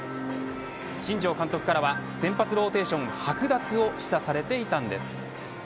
新庄監督からは先発ローテーションはく奪を示唆されていたんです。